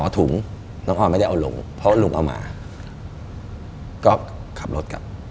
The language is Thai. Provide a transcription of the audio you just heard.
ถุงน้องออนไม่ได้เอาลงเพราะว่าลุงเอามาก็ขับรถกลับ